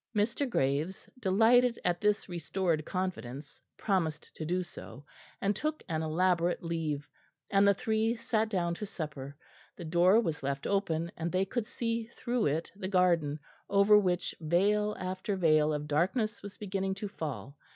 Mr. Graves, delighted at this restored confidence, promised to do so, and took an elaborate leave; and the three sat down to supper; the door was left open, and they could see through it the garden, over which veil after veil of darkness was beginning to fall.